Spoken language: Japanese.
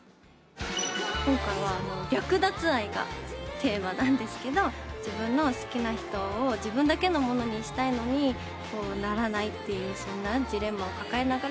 今回は略奪愛がテーマなんですけど自分の好きな人を自分だけのものにしたいのにならないってそんなジレンマを抱えながら。